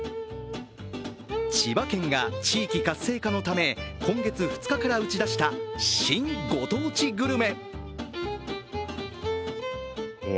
千葉県が地域活性化のため今月２日から打ち出した新ご当地グルメ。